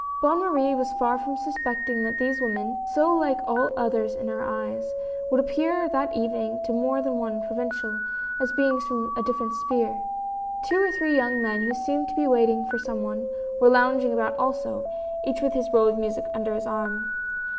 Bonne Marie was far from suspecting that these women, so like all others in her eyes, would appear that evening to more than one provincial, as beings from a different sphere. Two or three young men who seemed to be waiting for some one, were lounging about also, each with his roll of music under his arm.